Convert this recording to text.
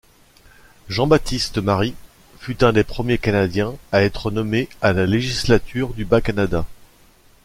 Jean-Baptiste-Marie fut un des premiers Canadiens à être nommés à la législature du Bas-Canada.